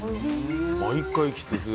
毎回来てて。